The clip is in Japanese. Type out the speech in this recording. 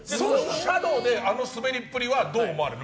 シャドーであの滑りっぷりはどう思うの？